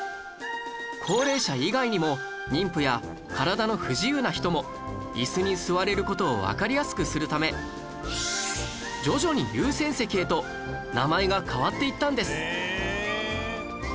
高齢者以外にも妊婦や体の不自由な人も椅子に座れる事をわかりやすくするため徐々に優先席へと名前が変わっていったんです